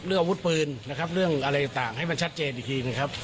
อาวุธปืนนะครับเรื่องอะไรต่างให้มันชัดเจนอีกทีหนึ่งครับ